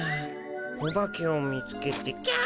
お化けを見つけてキャ！